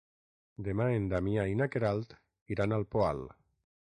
Demà en Damià i na Queralt iran al Poal.